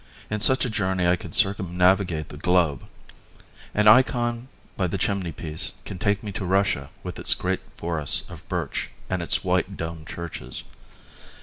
In such a journey I could circumnavigate the globe. An eikon by the chimneypiece can take me to Russia with its great forests of birch and its white, domed churches.